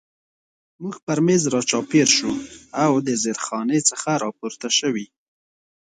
موږ پر مېز را چاپېر شو او د زیرخانې څخه را پورته شوي.